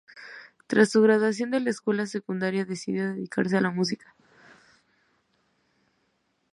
Tras su graduación de la escuela secundaria, decidió dedicarse a la música.